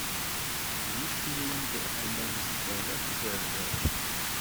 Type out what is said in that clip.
Myeffin-d aman si tala n tzerzert.